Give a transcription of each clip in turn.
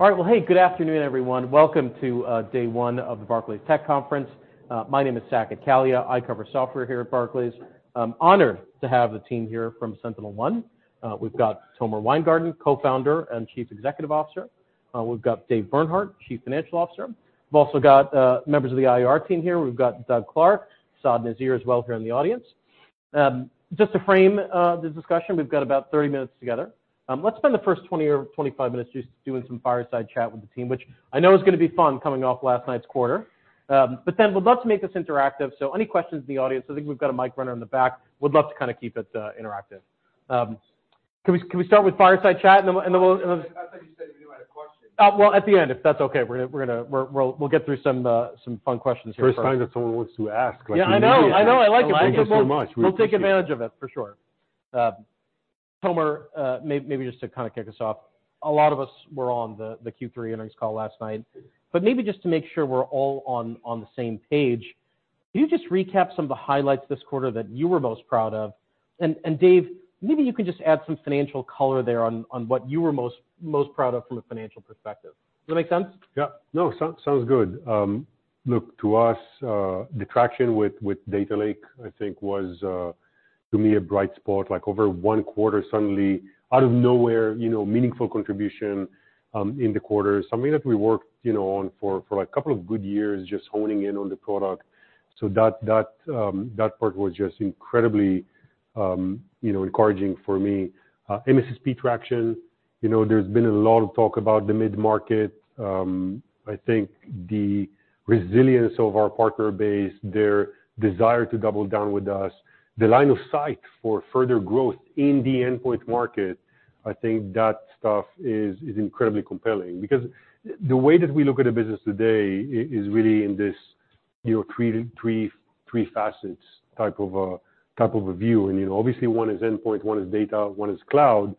All right. Well, hey, good afternoon, everyone. Welcome to day one of the Barclays Tech Conference. My name is Saket Kalia. I cover software here at Barclays. I'm honored to have the team here from SentinelOne. We've got Tomer Weingarten, Co-founder and Chief Executive Officer. We've got Dave Bernhardt, Chief Financial Officer. We've also got members of the IR team here. We've got Doug Clark, Saad Nazir, as well, here in the audience. Just to frame the discussion, we've got about 30 minutes together. Let's spend the first 20 minutes or 25 minutes just doing some fireside chat with the team, which I know is gonna be fun coming off last night's quarter. But then we'd love to make this interactive, so any questions in the audience, I think we've got a mic runner in the back. We'd love to kind of keep it interactive. Can we start with fireside chat and then we'll I thought you said if we had a question. Well, at the end, if that's okay, we're gonna get through some fun questions here first. First time that someone wants to ask- Yeah, I know. I know. I like it. Thank you so much. We'll take advantage of it, for sure. Tomer, maybe just to kind of kick us off, a lot of us were on the Q3 earnings call last night, but maybe just to make sure we're all on the same page, can you just recap some of the highlights this quarter that you were most proud of? And Dave, maybe you can just add some financial color there on what you were most proud of from a financial perspective. Does that make sense? Yeah. No, sounds good. Look, to us, the traction with Data Lake, I think, was to me a bright spot, like, over one quarter, suddenly out of nowhere, you know, meaningful contribution in the quarter. Something that we worked, you know, on for a couple of good years, just honing in on the product. So that part was just incredibly, you know, encouraging for me. MSSP traction, you know, there's been a lot of talk about the mid-market. I think the resilience of our partner base, their desire to double down with us, the line of sight for further growth in the endpoint market, I think that stuff is incredibly compelling. Because the way that we look at the business today is really in this, you know, three facets type of a view. You know, obviously, one is endpoint, one is data, one is cloud.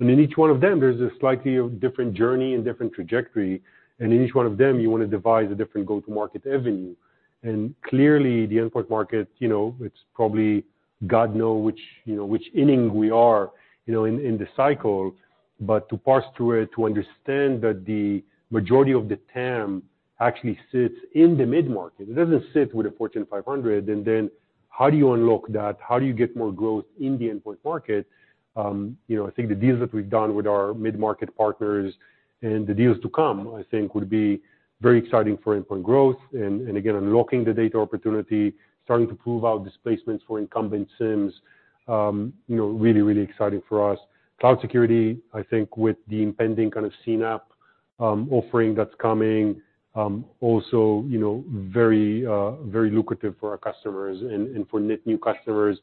And in each one of them, there's slightly different journey and different trajectory. And in each one of them, you want to devise a different go-to-market avenue. And clearly, the endpoint market, you know, it's probably God knows which, you know, which inning we are, you know, in the cycle. But to parse through it, to understand that the majority of the TAM actually sits in the mid-market. It doesn't sit with a Fortune 500, and then how do you unlock that? How do you get more growth in the endpoint market? You know, I think the deals that we've done with our mid-market partners and the deals to come, I think, would be very exciting for endpoint growth and, and again, unlocking the data opportunity, starting to prove out displacements for incumbent SIEM, you know, really, really exciting for us. cloud security, I think, with the impending kind of CNAPP offering that's coming, also, you know, very, very lucrative for our customers and, and for net new customers.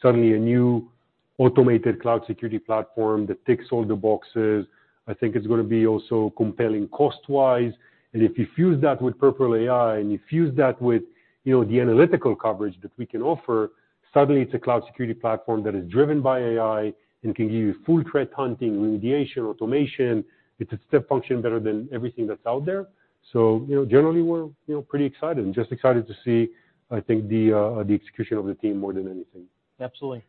Suddenly, a new automated cloud security platform that ticks all the boxes, I think it's gonna be also compelling cost-wise. And if you fuse that with Purple AI and you fuse that with, you know, the analytical coverage that we can offer, suddenly it's a cloud security platform that is driven by AI and can give you full threat hunting, remediation, automation. It's a step function better than everything that's out there. So, you know, generally, we're, you know, pretty excited and just excited to see, I think, the, the execution of the team more than anything. Absolutely.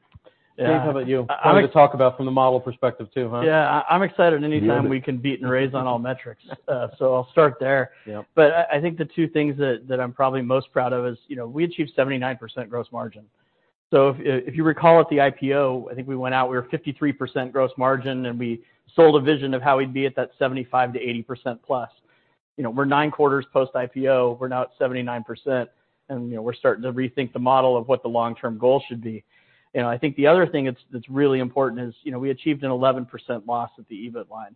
Yeah. Dave, how about you? Wanting to talk about from the model perspective, too, huh? Yeah, I'm excited anytime we can beat and raise on all metrics. So I'll start there. Yeah. But I, I think the two things that, that I'm probably most proud of is, you know, we achieved 79% gross margin. So if, if you recall at the IPO, I think we went out, we were 53% gross margin, and we sold a vision of how we'd be at that 75%-80% plus. You know, we're 9 quarters post-IPO, we're now at 79%, and, you know, we're starting to rethink the model of what the long-term goal should be. You know, I think the other thing that's, that's really important is, you know, we achieved an 11% loss at the EBIT line,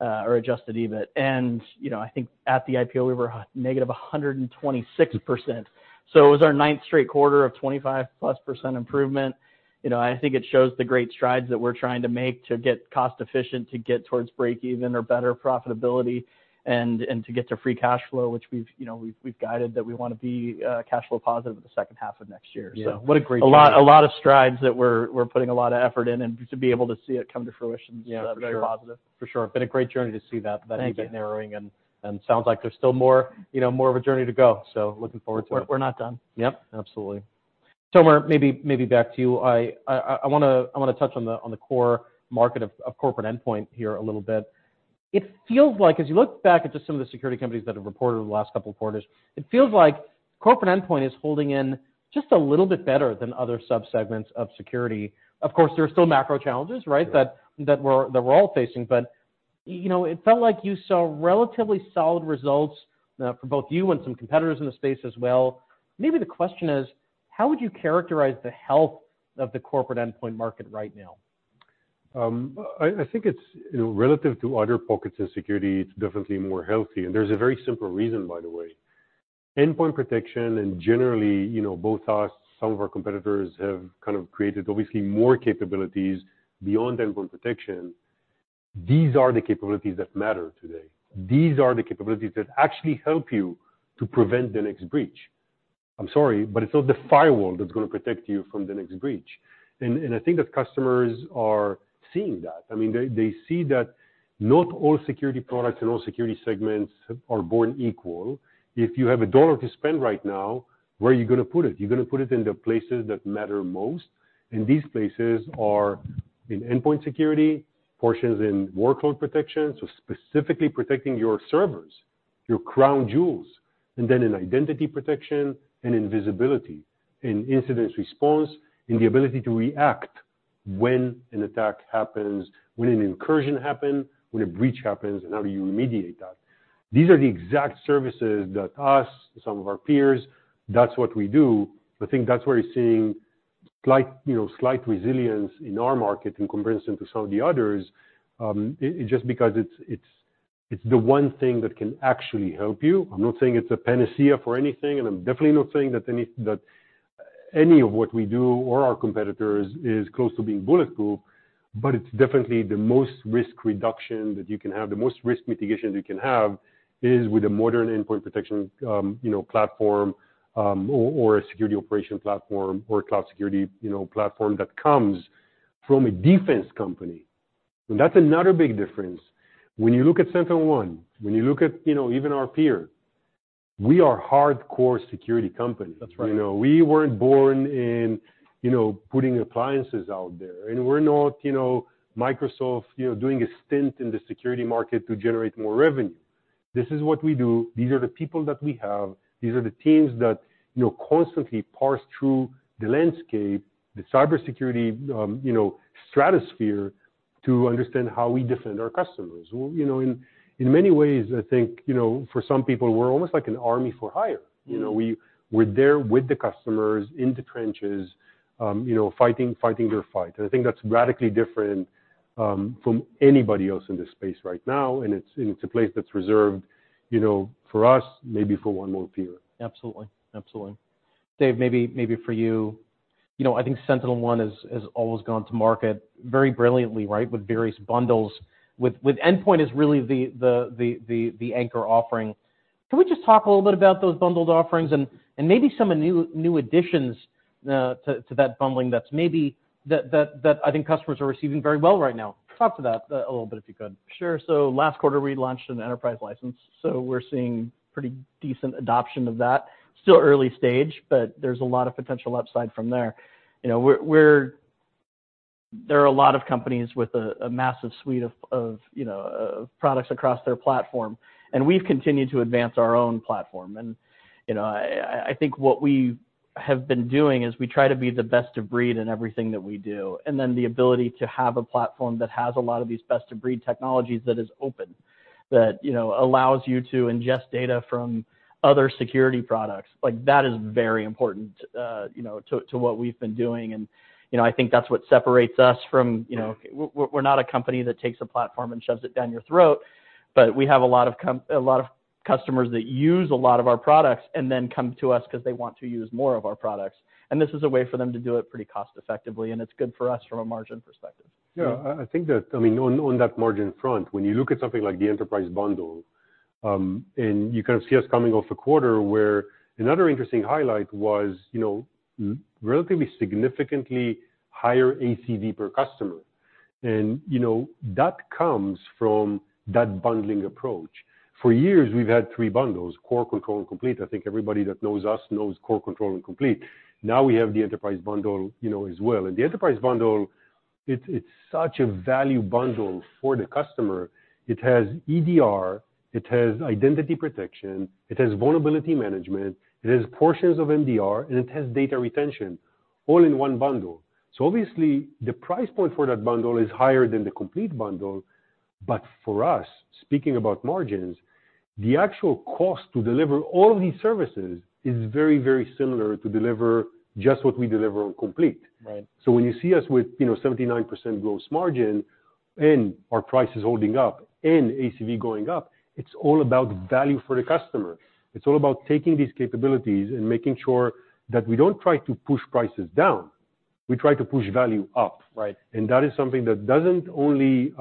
or Adjusted EBIT. And, you know, I think at the IPO, we were negative 126%. So it was our ninth straight quarter of 25%+ improvement. You know, I think it shows the great strides that we're trying to make to get cost-efficient, to get towards break even or better profitability, and to get to free cash flow, which we've, you know, guided that we want to be cash flow positive in the second half of next year. Yeah. What a great- A lot of strides that we're putting a lot of effort in, and just to be able to see it come to fruition- Yeah, for sure.... very positive. For sure. Been a great journey to see that- Thank you... that narrowing, and sounds like there's still more, you know, more of a journey to go. So looking forward to it. We're not done. Yep, absolutely. Tomer, maybe back to you. I wanna touch on the core market of corporate endpoint here a little bit. It feels like as you look back at just some of the security companies that have reported over the last couple of quarters, it feels like corporate endpoint is holding in just a little bit better than other subsegments of security. Of course, there are still macro challenges, right? Yeah. That we're all facing. But, you know, it felt like you saw relatively solid results for both you and some competitors in the space as well. Maybe the question is, how would you characterize the health of the corporate endpoint market right now? I think it's, you know, relative to other pockets in security, it's definitely more healthy. And there's a very simple reason, by the way. Endpoint protection, and generally, you know, both us, some of our competitors, have kind of created obviously more capabilities beyond endpoint protection. These are the capabilities that matter today. These are the capabilities that actually help you to prevent the next breach. I'm sorry, but it's not the firewall that's gonna protect you from the next breach. And I think that customers are seeing that. I mean, they see that not all security products and all security segments are born equal. If you have a dollar to spend right now, where are you gonna put it? You're gonna put it in the places that matter most. and these places are in endpoint security, portions in workload protection, so specifically protecting your servers, your crown jewels, and then in identity protection and in visibility, in incident response, and the ability to react when an attack happens, when an incursion happen, when a breach happens, and how do you remediate that? These are the exact services that us, some of our peers, that's what we do. I think that's where you're seeing slight, you know, slight resilience in our market in comparison to some of the others. It just because it's, it's the one thing that can actually help you. I'm not saying it's a panacea for anything, and I'm definitely not saying that any of what we do or our competitors is close to being bulletproof, but it's definitely the most risk reduction that you can have. The most risk mitigation you can have is with a modern endpoint protection, you know, platform, or a security operation platform, or a cloud security, you know, platform that comes from a defense company. That's another big difference. When you look at SentinelOne, when you look at, you know, even our peer, we are hardcore security company. That's right. You know, we weren't born in, you know, putting appliances out there, and we're not, you know, Microsoft, you know, doing a stint in the security market to generate more revenue. This is what we do. These are the people that we have. These are the teams that, you know, constantly parse through the landscape, the cybersecurity, you know, stratosphere, to understand how we defend our customers. Well, you know, in many ways, I think, you know, for some people, we're almost like an army for hire. You know, we're there with the customers, in the trenches, you know, fighting, fighting their fight. And I think that's radically different from anybody else in this space right now, and it's, and it's a place that's reserved, you know, for us, maybe for one more peer. Absolutely. Dave, maybe for you, you know, I think SentinelOne has always gone to market very brilliantly, right? With various bundles. With endpoint is really the anchor offering. Can we just talk a little bit about those bundled offerings and maybe some new additions to that bundling that's maybe that I think customers are receiving very well right now? Talk to that a little bit, if you could. Sure. So last quarter, we launched an enterprise license, so we're seeing pretty decent adoption of that. Still early stage, but there's a lot of potential upside from there. You know, we're—There are a lot of companies with a massive suite of you know products across their platform, and we've continued to advance our own platform. And, you know, I think what we have been doing is we try to be the best of breed in everything that we do, and then the ability to have a platform that has a lot of these best-of-breed technologies that is open, that you know allows you to ingest data from other security products. Like, that is very important, you know, to what we've been doing. And, you know, I think that's what separates us from, you know, we're, we're not a company that takes a platform and shoves it down your throat, but we have a lot of customers that use a lot of our products and then come to us because they want to use more of our products, and this is a way for them to do it pretty cost effectively, and it's good for us from a margin perspective. Yeah, I think that, I mean, on that margin front, when you look at something like the Enterprise Bundle, and you kind of see us coming off a quarter where another interesting highlight was, you know, relatively significantly higher ACV per customer. And, you know, that comes from that bundling approach. For years, we've had three bundles, Core, Control, and Complete. I think everybody that knows us knows Core, Control, and Complete. Now we have the Enterprise Bundle, you know, as well. And the Enterprise Bundle, it's such a value bundle for the customer. It has EDR, it has Identity Protection, it has vulnerability management, it has portions of MDR, and it has data retention all in one bundle. So obviously, the price point for that bundle is higher than the Complete Bundle. But for us, speaking about margins, the actual cost to deliver all of these services is very, very similar to deliver just what we deliver on complete. Right. So when you see us with, you know, 79% gross margin, and our price is holding up, and ACV going up, it's all about value for the customer. It's all about taking these capabilities and making sure that we don't try to push prices down. We try to push value up. Right. That is something that doesn't only,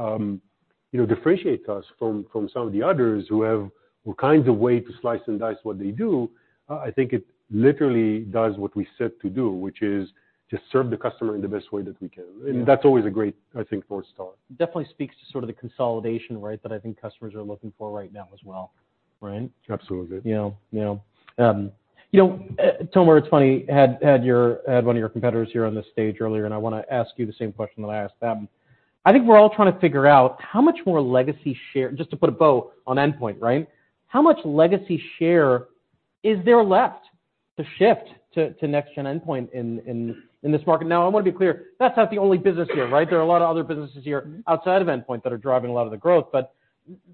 you know, differentiate us from some of the others who have all kinds of way to slice and dice what they do. I think it literally does what we set to do, which is just serve the customer in the best way that we can. Yeah. That's always a great, I think, for a start. Definitely speaks to sort of the consolidation, right, that I think customers are looking for right now as well, right? Absolutely. Yeah. Yeah. You know, Tomer, it's funny, you had one of your competitors here on this stage earlier, and I want to ask you the same question that I asked them. I think we're all trying to figure out how much more legacy share, just to put a bow on endpoint, right? How much legacy share is there left to shift to next-gen endpoint in this market? Now, I want to be clear, that's not the only business here, right? There are a lot of other businesses here, outside of endpoint that are driving a lot of the growth. But,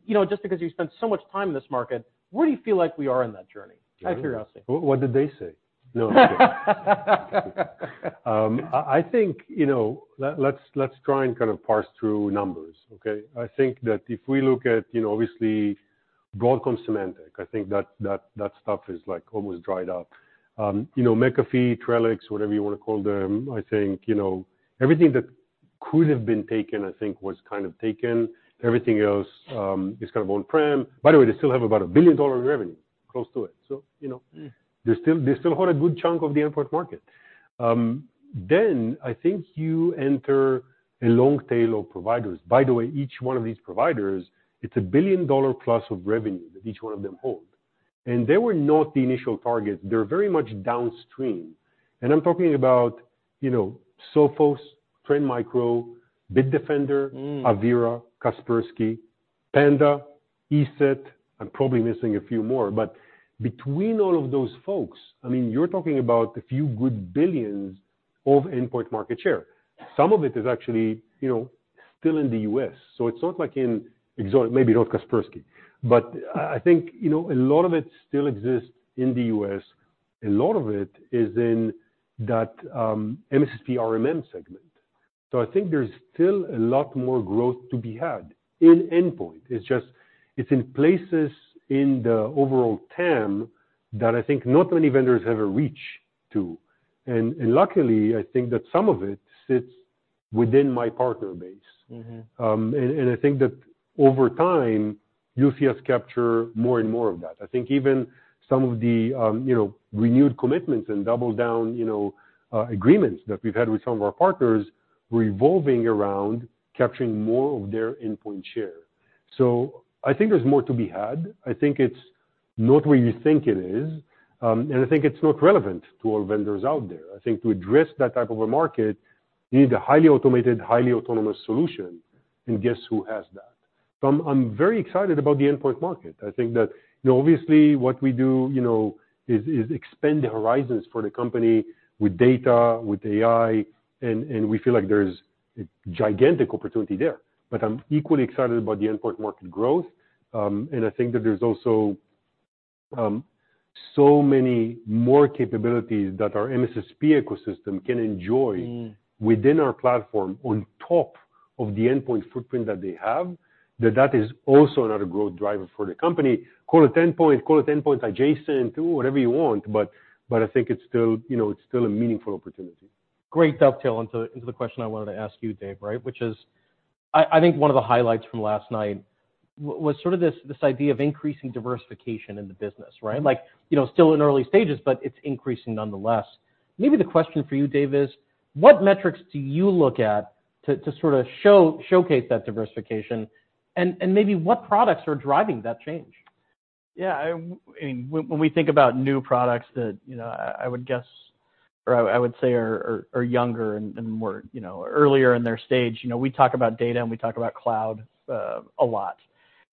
you know, just because you spent so much time in this market, where do you feel like we are in that journey, out of curiosity? What did they say? No, I'm kidding. I think, you know, let's try and kind of parse through numbers, okay? I think that if we look at, you know, obviously Broadcom Symantec, I think that stuff is, like, almost dried up. You know, McAfee, Trellix, whatever you want to call them, I think, you know, everything that could have been taken, I think, was kind of taken. Everything else is kind of on-prem. By the way, they still have about $1 billion in revenue, close to it. So, you know, they still hold a good chunk of the endpoint market. Then I think you enter a long tail of providers. By the way, each one of these providers, it's a billion-dollar plus of revenue that each one of them hold. And they were not the initial targets, they're very much downstream. And I'm talking about, you know, Sophos, Trend Micro, Bitdefender, Avira, Kaspersky, Panda, ESET, I'm probably missing a few more. But between all of those folks, I mean, you're talking about a few good billions of endpoint market share. Some of it is actually, you know, still in the U.S., so it's not like in exotic, maybe not Kaspersky. But, I think, you know, a lot of it still exists in the U.S. A lot of it is in that MSSP RMM segment. So, I think there's still a lot more growth to be had in endpoint. It's just, it's in places in the overall TAM that I think not many vendors ever reach to. And luckily, I think that some of it sits within my partner base. Mm-hmm. And I think that over time, you'll see us capture more and more of that. I think even some of the, you know, renewed commitments and double down, you know, agreements that we've had with some of our partners revolving around capturing more of their endpoint share. So I think there's more to be had. I think it's not where you think it is, and I think it's not relevant to all vendors out there. I think to address that type of a market, you need a highly automated, highly autonomous solution, and guess who has that? So I'm very excited about the endpoint market. I think that, you know, obviously, what we do, you know, is expand the horizons for the company with data, with AI, and we feel like there's a gigantic opportunity there. But I'm equally excited about the endpoint market growth, and I think that there's also so many more capabilities that our MSSP ecosystem can enjoy within our platform, on top of the endpoint footprint that they have, that that is also another growth driver for the company. Call it endpoint, call it endpoint adjacent, do whatever you want, but, but I think it's still, you know, it's still a meaningful opportunity. Great dovetail into the question I wanted to ask you, Dave, right? Which is, I think one of the highlights from last night was sort of this idea of increasing diversification in the business, right? Like, you know, still in early stages, but it's increasing nonetheless. Maybe the question for you, Dave, is: What metrics do you look at to sort of showcase that diversification? And maybe what products are driving that change? Yeah, I mean, when we think about new products that, you know, I would guess or I would say are younger and more, you know, earlier in their stage, you know, we talk about data, and we talk about cloud a lot.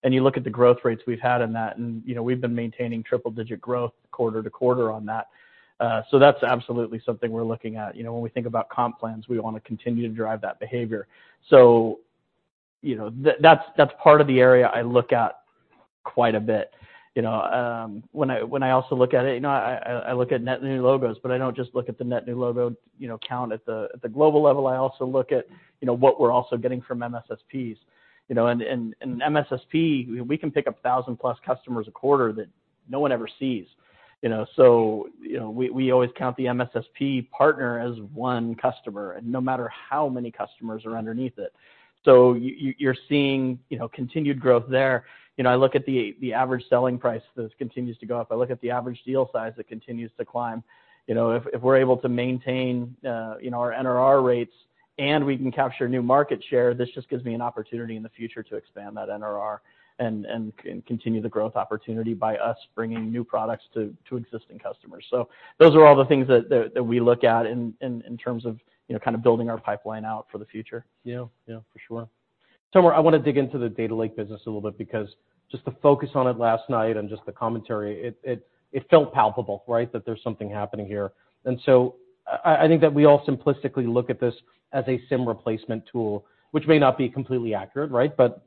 And you look at the growth rates we've had in that, and, you know, we've been maintaining triple digit growth quarter to quarter on that. So that's absolutely something we're looking at. You know, when we think about comp plans, we want to continue to drive that behavior. So, you know, that's part of the area I look at quite a bit. You know, when I also look at it, you know, I look at net new logos, but I don't just look at the net new logo, you know, count at the global level. I also look at, you know, what we're also getting from MSSPs. You know, and MSSP, we can pick up 1,000+ customers a quarter that no one ever sees, you know? So, you know, we always count the MSSP partner as one customer, and no matter how many customers are underneath it. So you're seeing, you know, continued growth there. You know, I look at the average selling price, that continues to go up. I look at the average deal size, it continues to climb. You know, if we're able to maintain, you know, our NRR rates and we can capture new market share, this just gives me an opportunity in the future to expand that NRR, and continue the growth opportunity by us bringing new products to existing customers. So those are all the things that we look at in terms of, you know, kind of building our pipeline out for the future. Yeah. Yeah, for sure. Tomer, I want to dig into the Data Lake business a little bit, because just the focus on it last night and just the commentary, it felt palpable, right? That there's something happening here. And so I think that we all simplistically look at this as a SIEM replacement tool, which may not be completely accurate, right? But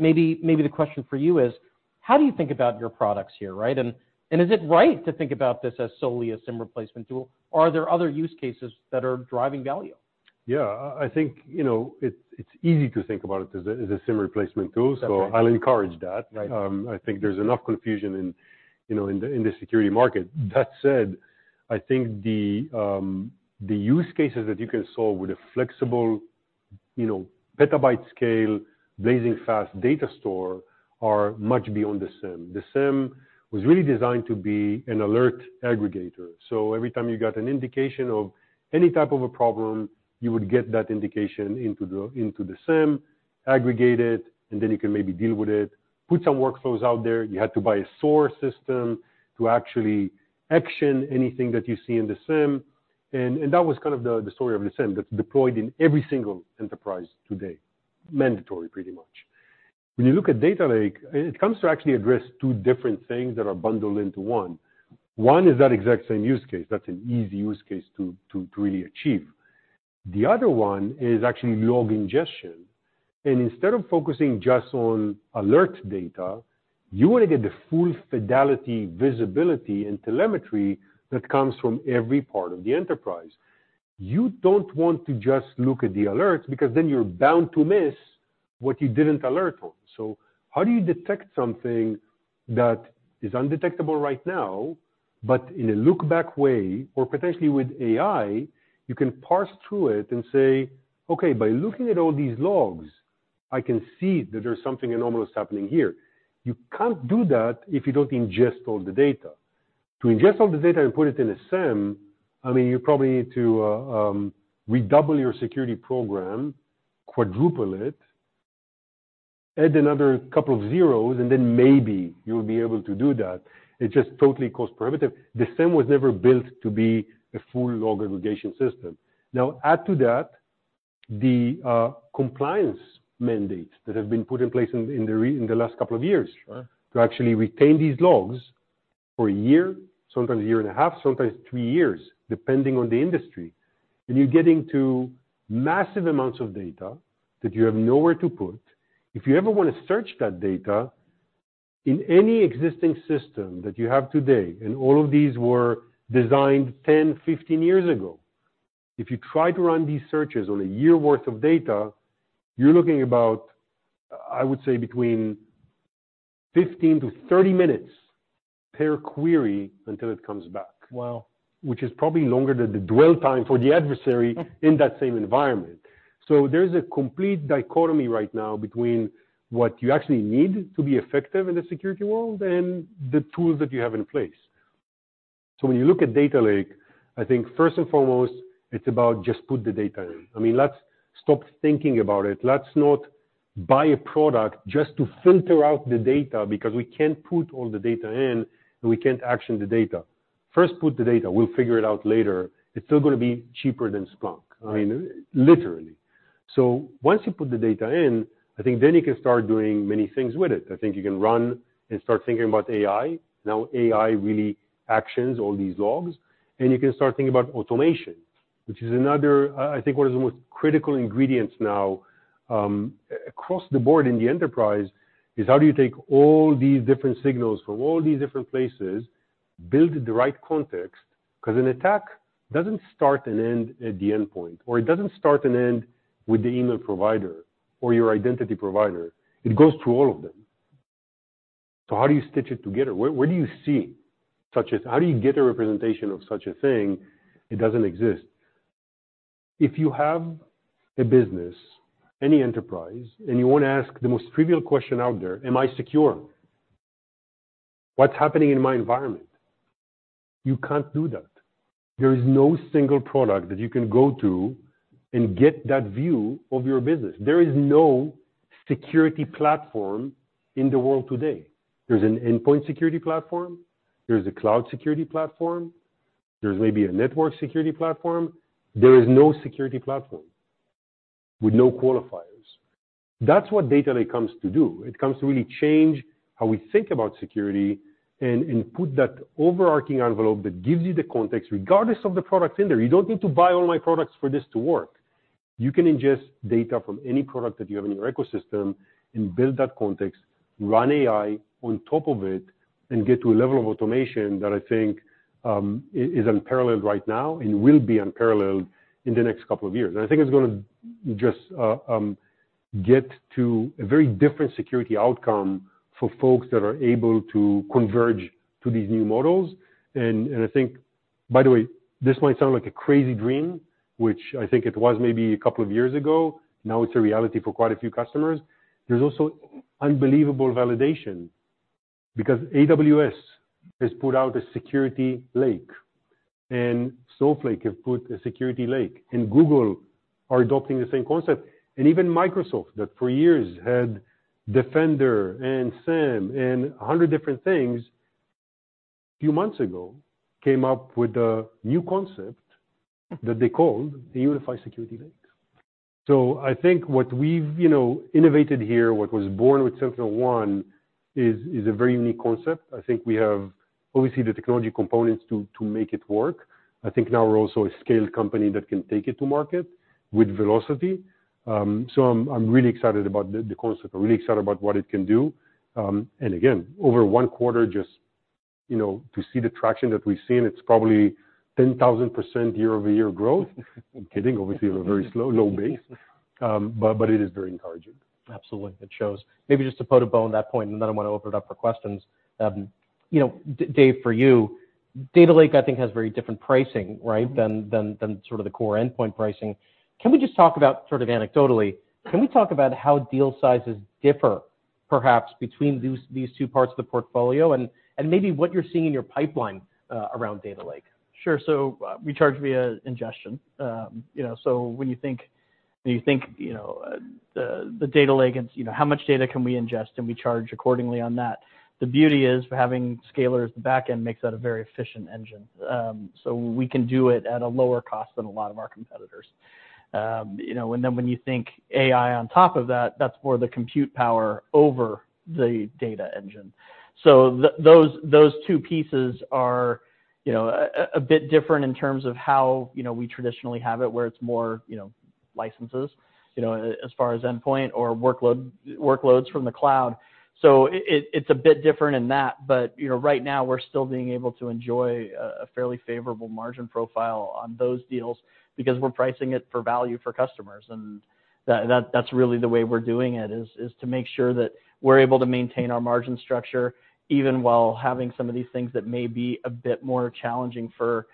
maybe the question for you is: How do you think about your products here, right? And is it right to think about this as solely a SIEM replacement tool, or are there other use cases that are driving value? Yeah, I think, you know, it's easy to think about it as a SIEM replacement tool so I'll encourage that. Right. I think there's enough confusion in, you know, in the security market. That said, I think the use cases that you can solve with a flexible, you know, petabyte scale, blazing fast data store, are much beyond the SIEM. The SIEM was really designed to be an alert aggregator. So every time you got an indication of any type of a problem, you would get that indication into the SIEM, aggregate it, and then you can maybe deal with it. Put some workflows out there. You had to buy a SOAR system to actually action anything that you see in the SIEM, and that was kind of the story of the SIEM that's deployed in every single enterprise today. Mandatory, pretty much. When you look at Data Lake, it comes to actually address two different things that are bundled into one. One is that exact same use case, that's an easy use case to really achieve. The other one is actually log ingestion, and instead of focusing just on alert data, you want to get the full fidelity, visibility, and telemetry that comes from every part of the enterprise. You don't want to just look at the alerts, because then you're bound to miss what you didn't alert on. So how do you detect something that is undetectable right now, but in a look back way, or potentially with AI, you can parse through it and say: "Okay, by looking at all these logs, I can see that there's something anomalous happening here"? You can't do that if you don't ingest all the data. To ingest all the data and put it in a SIEM, I mean, you probably need to redouble your security program, quadruple it, add another couple of zeros, and then maybe you'll be able to do that. It's just totally cost prohibitive. The SIEM was never built to be a full log aggregation system. Now, add to that the compliance mandates that have been put in place in the last couple of years to actually retain these logs for a year, sometimes a year and a half, sometimes 3 years, depending on the industry. You're getting to massive amounts of data that you have nowhere to put. If you ever want to search that data, in any existing system that you have today, and all of these were designed 10 years ago, 15 years ago, if you try to run these searches on a year worth of data, you're looking about, I would say between 15 minutes-30 minutes per query until it comes back. Wow! Which is probably longer than the dwell time for the adversary in that same environment. So there's a complete dichotomy right now between what you actually need to be effective in the security world and the tools that you have in place. So when you look at Data Lake, I think first and foremost, it's about just put the data in. I mean, let's stop thinking about it. Let's not buy a product just to filter out the data because we can't put all the data in, and we can't action the data. First, put the data, we'll figure it out later. It's still gonna be cheaper than Splunk. Right. I mean, literally. So once you put the data in, I think then you can start doing many things with it. I think you can run and start thinking about AI. Now, AI really actions all these logs, and you can start thinking about automation, which is another—I think one of the most critical ingredients now, across the board in the enterprise, is how do you take all these different signals from all these different places, build the right context, because an attack doesn't start and end at the endpoint, or it doesn't start and end with the email provider or your identity provider. It goes through all of them. So how do you stitch it together? Where, where do you see such as—how do you get a representation of such a thing? It doesn't exist. If you have a business, any enterprise, and you want to ask the most trivial question out there: Am I secure? What's happening in my environment? You can't do that. There is no single product that you can go to and get that view of your business. There is no security platform in the world today. There's an endpoint security platform, there's a cloud security platform, there's maybe a network security platform. There is no security platform with no qualifiers. That's what Data Lake comes to do. It comes to really change how we think about security and put that overarching envelope that gives you the context, regardless of the products in there. You don't need to buy all my products for this to work. You can ingest data from any product that you have in your ecosystem and build that context, run AI on top of it, and get to a level of automation that I think is unparalleled right now and will be unparalleled in the next couple of years. And I think it's gonna just get to a very different security outcome for folks that are able to converge to these new models. And I think, by the way, this might sound like a crazy dream, which I think it was maybe a couple of years ago. Now it's a reality for quite a few customers. There's also unbelievable validation because AWS has put out a security lake, and Snowflake have put a security lake, and Google are adopting the same concept. And even Microsoft, that for years had Defender and SIEM and 100 different things, a few months ago, came up with a new concept that they called the Unified Security Lake. So I think what we've, you know, innovated here, what was born with SentinelOne, is a very unique concept. I think we have obviously the technology components to make it work. I think now we're also a scaled company that can take it to market with velocity. So I'm really excited about the concept. I'm really excited about what it can do. And again, over one quarter, just, you know, to see the traction that we've seen, it's probably 10,000% year-over-year growth. I'm kidding. Obviously, we have a very slow, low base, but it is very encouraging. Absolutely. It shows. Maybe just to put a bow on that point, and then I want to open it up for questions. You know, Dave, for you, Data Lake, I think, has very different pricing, right, than sort of the core endpoint pricing. Can we just talk about, sort of anecdotally, how deal sizes differ, perhaps between these two parts of the portfolio and maybe what you're seeing in your pipeline around Data Lake? Sure. So we charge via ingestion. You know, so when you think, when you think, you know, the Data Lake, and you know, how much data can we ingest, and we charge accordingly on that. The beauty is, having Scalyr as the back end makes that a very efficient engine. So we can do it at a lower cost than a lot of our competitors. You know, and then when you think AI on top of that, that's more the compute power over the data engine. So those two pieces are, you know, a bit different in terms of how, you know, we traditionally have it, where it's more, you know, licenses, you know, as far as endpoint or workload, workloads from the cloud. So it's a bit different in that, but, you know, right now we're still being able to enjoy a fairly favorable margin profile on those deals because we're pricing it for value for customers. And that's really the way we're doing it, is to make sure that we're able to maintain our margin structure, even while having some of these things that may be a bit more challenging for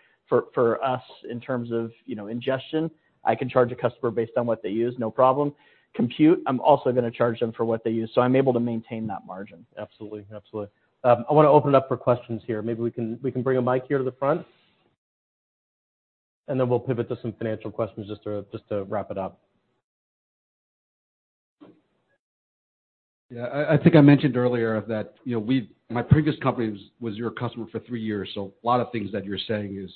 us in terms of, you know, ingestion. I can charge a customer based on what they use, no problem. Compute, I'm also gonna charge them for what they use, so I'm able to maintain that margin. Absolutely. Absolutely. I want to open it up for questions here. Maybe we can, we can bring a mic here to the front, then we'll pivot to some financial questions just to, just to wrap it up. Yeah, I think I mentioned earlier that, you know, we—my previous company was your customer for three years, so a lot of things that you're saying is,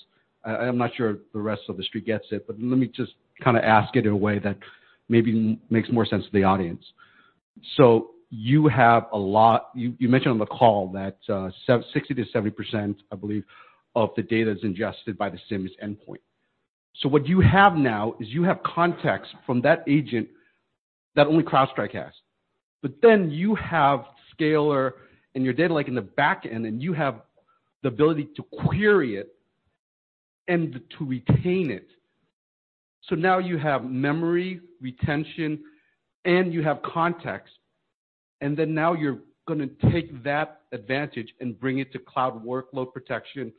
I'm not sure the rest of the street gets it, but let me just kinda ask it in a way that maybe makes more sense to the audience. So you have a lot—you mentioned on the call that, 60%-70%, I believe, of the data is ingested by the SIEM is endpoint. So what you have now is you have contacts from that agent that only CrowdStrike has. But then you have Scalyr and your Data Lake in the back end, and you have the ability to query it and to retain it. So now you have memory, retention, and you have context, and then now you're gonna take that advantage and bring it to cloud workload protection,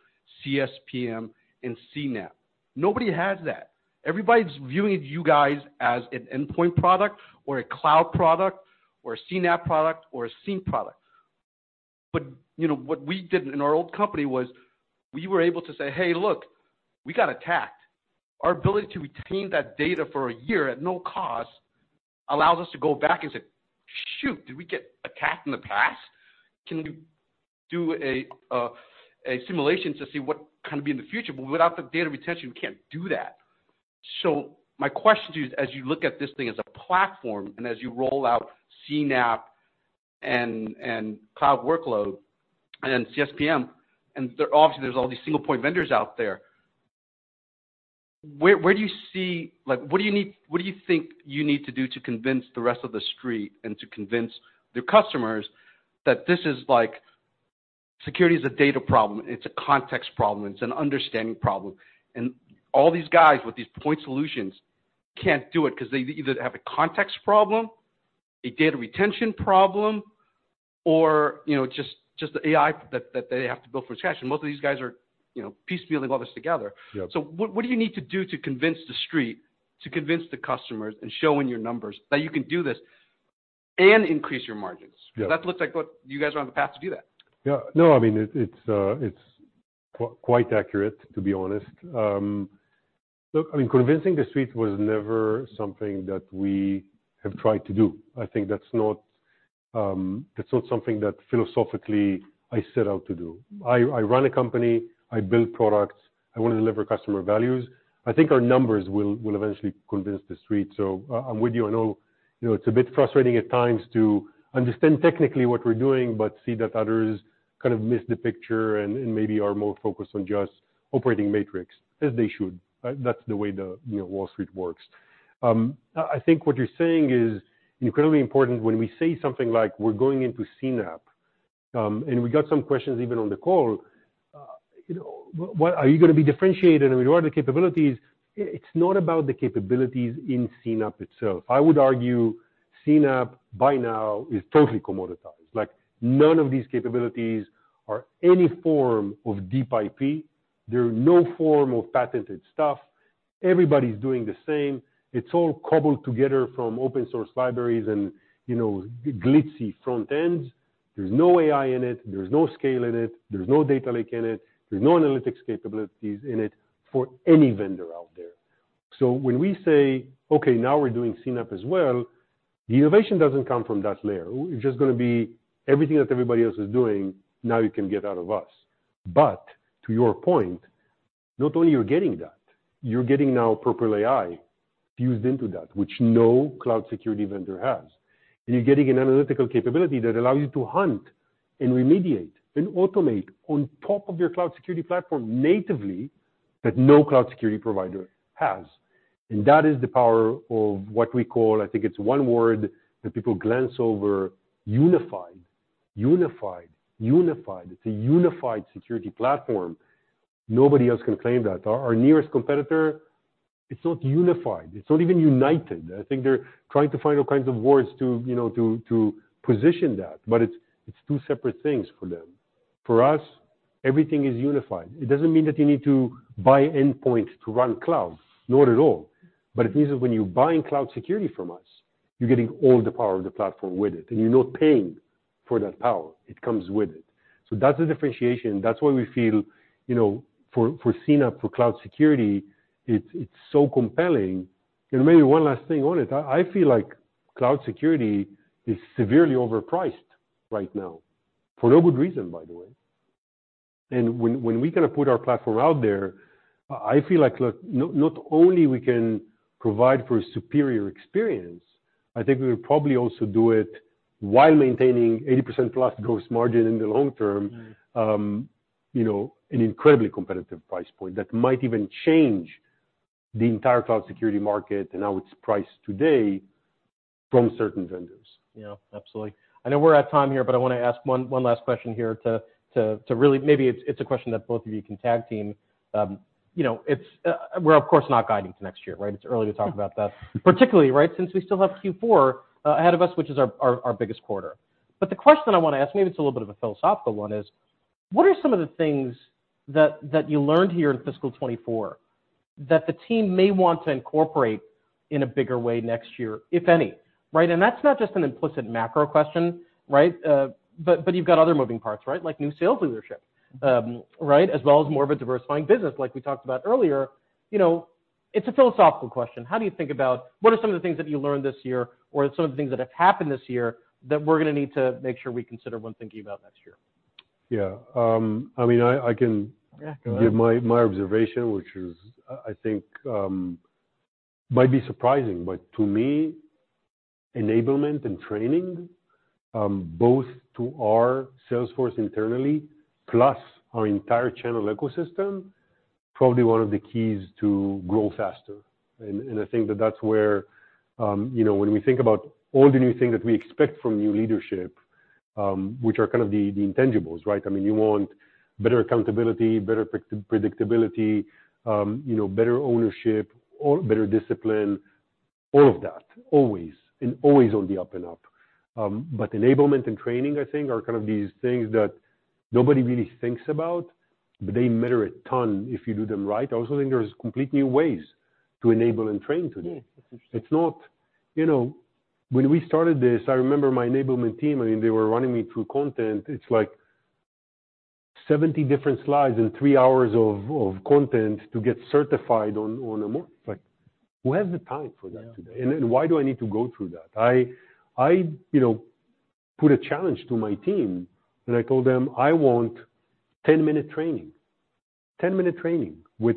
CSPM, and CNAPP. Nobody has that. Everybody's viewing you guys as an endpoint product or a cloud product or a CNAPP product or a SIEM product. But, you know, what we did in our old company was, we were able to say, "Hey, look, we got attacked." Our ability to retain that data for a year at no cost, allows us to go back and say, "Shoot, did we get attacked in the past? Can we do a simulation to see what kinda be in the future?" But without the data retention, we can't do that. So my question to you is, as you look at this thing as a platform, and as you roll out CNAPP and, and cloud workload and CSPM, and there, obviously, there's all these single point vendors out there, where, where do you see. Like, what do you need, what do you think you need to do to convince the rest of the street and to convince the customers that this is like, security is a data problem, it's a context problem, it's an understanding problem? And all these guys with these point solutions can't do it 'cause they either have a context problem, a data retention problem, or, you know, just, just the AI that, that they have to build from scratch. And most of these guys are, you know, piecemealing all this together. Yeah. So what do you need to do to convince the street, to convince the customers and showing your numbers that you can do this and increase your margins? Yeah. That looks like what you guys are on the path to do that. Yeah. No, I mean, it's quite accurate, to be honest. Look, I mean, convincing the street was never something that we have tried to do. I think that's not something that philosophically I set out to do. I run a company, I build products, I want to deliver customer values. I think our numbers will eventually convince the street. So I'm with you. I know, you know, it's a bit frustrating at times to understand technically what we're doing, but see that others kind of miss the picture and maybe are more focused on just operating metrics, as they should. That's the way the, you know, Wall Street works. I think what you're saying is incredibly important. When we say something like, we're going into CNAPP, and we got some questions even on the call, you know, what are you gonna be differentiated, and what are the capabilities? It's not about the capabilities in CNAPP itself. I would argue CNAPP, by now, is totally commoditized. Like, none of these capabilities are any form of deep IP. They're no form of patented stuff. Everybody's doing the same. It's all cobbled together from open-source libraries and, you know, glitzy front ends. There's no AI in it, there's no scale in it, there's no data lake in it, there's no analytics capabilities in it for any vendor out there. So when we say, "Okay, now we're doing CNAPP as well," the innovation doesn't come from that layer. It's just gonna be everything that everybody else is doing, now you can get out of us. But to your point, not only you're getting that, you're getting now Purple AI fused into that, which no cloud security vendor has. And you're getting an analytical capability that allows you to hunt and remediate and automate on top of your cloud security platform natively, that no cloud security provider has. And that is the power of what we call, I think it's one word that people glance over, unified. Unified. Unified. It's a unified security platform. Nobody else can claim that. Our, our nearest competitor, it's not unified. It's not even united. I think they're trying to find all kinds of words to, you know, to, to position that, but it's, it's two separate things for them. For us, everything is unified. It doesn't mean that you need to buy endpoint to run cloud. Not at all. But it means that when you're buying cloud security from us, you're getting all the power of the platform with it, and you're not paying for that power, it comes with it. So that's the differentiation. That's why we feel, you know, for, for CNAPP, for cloud security, it's, it's so compelling. And maybe one last thing on it, I feel like cloud security is severely overpriced right now, for no good reason, by the way. And when, when we kind of put our platform out there, I feel like, look, not only we can provide for a superior experience, I think we would probably also do it while maintaining 80%+ Gross Margin in the long term, you know, an incredibly competitive price point that might even change the entire cloud security market and how it's priced today from certain vendors. Yeah, absolutely. I know we're out of time here, but I want to ask one last question here to really, maybe it's a question that both of you can tag team. You know, it's, we're of course, not guiding to next year, right? It's early to talk about that, particularly, right, since we still have Q4 ahead of us, which is our biggest quarter. But the question I want to ask, maybe it's a little bit of a philosophical one, is: What are some of the things that you learned here in fiscal 2024, that the team may want to incorporate in a bigger way next year, if any, right? And that's not just an implicit macro question, right? But you've got other moving parts, right? Like new sales leadership, right, as well as more of a diversifying business, like we talked about earlier. You know, it's a philosophical question. How do you think about, what are some of the things that you learned this year, or some of the things that have happened this year, that we're gonna need to make sure we consider when thinking about next year? Yeah. I mean, I can- Yeah, go ahead. Give my observation, which is, I think, might be surprising. But to me, enablement and training, both to our sales force internally, plus our entire channel ecosystem, probably one of the keys to grow faster. And I think that that's where, you know, when we think about all the new things that we expect from new leadership, which are kind of the intangibles, right? I mean, you want better accountability, better predictability, you know, better ownership or better discipline, all of that, always, and always on the up and up. But enablement and training, I think, are kind of these things that nobody really thinks about, but they matter a ton if you do them right. I also think there's complete new ways to enable and train today. Yeah, that's interesting. It's not, you know, when we started this, I remember my enablement team. I mean, they were running me through content. It's like 70 different slides and 3 hours of, of content to get certified on, on a moment. It's like, who has the time for that today? Yeah. Then, why do I need to go through that? I you know, put a challenge to my team, and I told them, "I want 10-minute training, 10-minute training with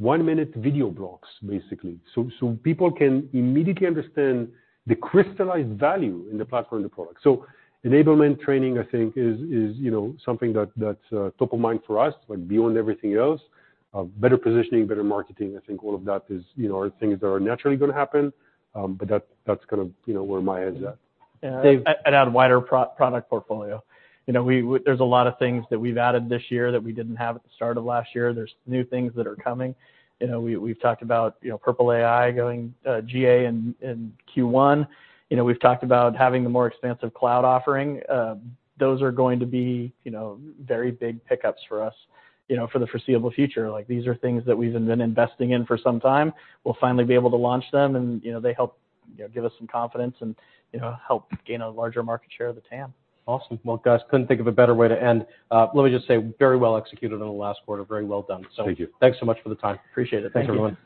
1-minute video blocks, basically, so people can immediately understand the crystallized value in the platform and the product." So enablement training, I think, is you know, something that's top of mind for us, like, beyond everything else. Better positioning, better marketing, I think all of that is, you know, are things that are naturally gonna happen, but that's kind of, you know, where my head's at. Yeah. And, I'd add wider product portfolio. You know, we, there's a lot of things that we've added this year that we didn't have at the start of last year. There's new things that are coming. You know, we, we've talked about, you know, Purple AI going GA in Q1. You know, we've talked about having a more expansive cloud offering. Those are going to be, you know, very big pickups for us, you know, for the foreseeable future. Like, these are things that we've been investing in for some time. We'll finally be able to launch them and, you know, they help, you know, give us some confidence and, you know, help gain a larger market share of the TAM. Awesome. Well, guys, couldn't think of a better way to end. Let me just say, very well executed in the last quarter. Very well done. Thank you. Thanks so much for the time. Appreciate it. Thank you. Thanks, everyone.